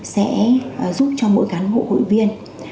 sẽ giúp cho mỗi cán hộ hội viên